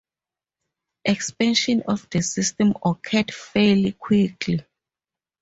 Expansion of the system occurred fairly quickly.